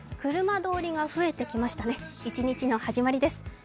車通りが増えてきましたね、１日の始まりです。